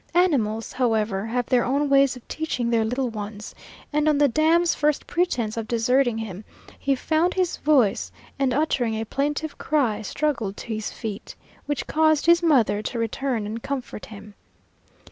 Animals, however, have their own ways of teaching their little ones, and on the dam's first pretense of deserting him he found his voice, and uttering a plaintive cry, struggled to his feet, which caused his mother to return and comfort him.